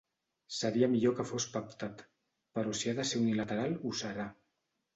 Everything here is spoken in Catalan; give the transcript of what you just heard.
Seria millor que fos pactat però si ha de ser unilateral ho serà.